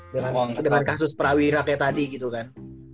dengan kasus prawira kayak tadi gitu kan